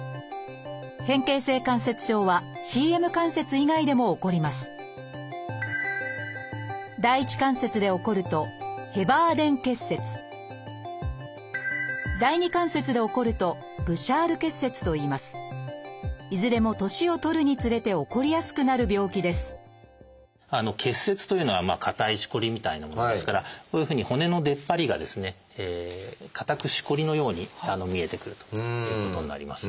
変形性関節症はＣＭ関節以外でも起こりますいずれも年を取るにつれて起こりやすくなる病気です「結節」というのは硬いしこりみたいなものですからこういうふうに骨の出っ張りがですね硬くしこりのように見えてくるということになります。